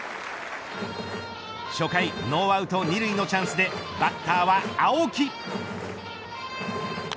初回ノーアウト２塁のチャンスでバッターは青木。